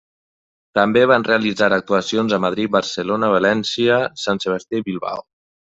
També van realitzar actuacions a Madrid, Barcelona, València, Sant Sebastià i Bilbao.